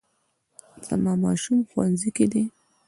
زما ماشوم ښوونځي کې دی